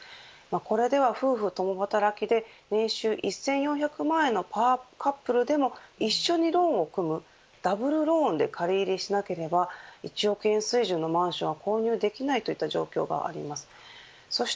これでは夫婦共働きで年収１４００万円のパワーカップルでも一緒にローンを組むルダブルローンで借入しなければ１億円水準のマンションは購入できない状況にあります。